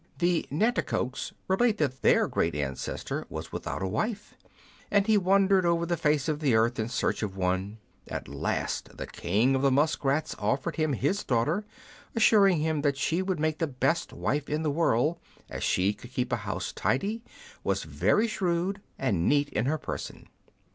The Nanticokes relate that their great ancestor was without a wife, and he wandered over the face of the earth in search of one : at last the king of the musk rats offered him his daughter, assuring him that she would make the best wife in the world, as she could keep a house tidy, was very shrewd, and neat in her person.